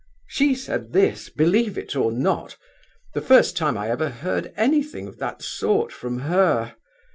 (She said this—believe it or not. The first time I ever heard anything of that sort from her.)